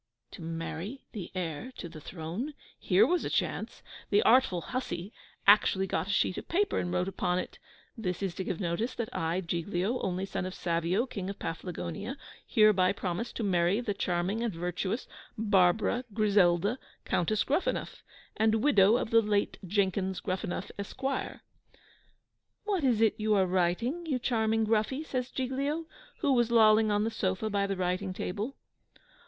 To marry the heir to the throne! Here was a chance! The artful hussy actually got a sheet of paper and wrote upon it, "This is to give notice that I, Giglio, only son of Savio, King of Paflagonia, hereby promise to marry the charming and virtuous Barbara Griselda Countess Gruffanuff, and widow of the late Jenkins Gruffanuff, Esq." "What is it you are writing, you dear Gruffy?" says Giglio, who was lolling on the sofa by the writing table.